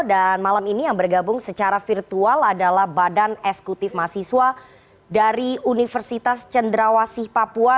dan malam ini yang bergabung secara virtual adalah badan eskutif mahasiswa dari universitas cendrawasih papua